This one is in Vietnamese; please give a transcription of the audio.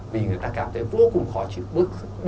vì người ta cảm thấy vô cùng khó chịu